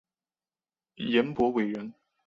颜伯玮人。